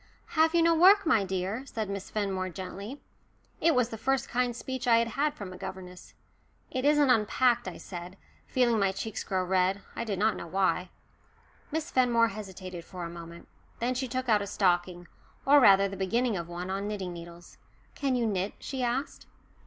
"Have you no work, my dear?" said Miss Fenmore gently. It was the first kind speech I had had from a governess. "It isn't unpacked," I said, feeling my cheeks grow red, I did not know why. Miss Fenmore hesitated for a moment. Then she took out a stocking or rather the beginning of one on knitting needles. "Can you knit?" she asked.